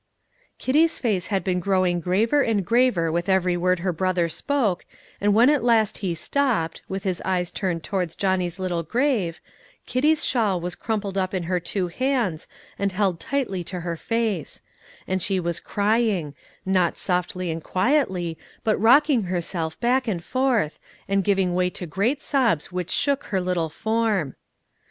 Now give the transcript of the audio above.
Kitty's face had been growing graver and graver with every word her brother spoke, and when at last he stopped, with his eyes turned towards Johnny's little grave, Kitty's shawl was crumpled up in her two hands and held tightly to her face; and she was crying, not softly and quietly, but rocking herself back and forth, and giving way to great sobs which shook her little form.